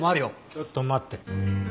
ちょっと待って。